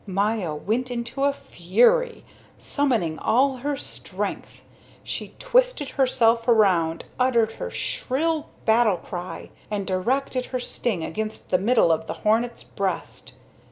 Maya went into a fury. Summoning all her strength, she twisted herself around, uttered her shrill battle cry, and directed her sting against the middle of the hornet's breast.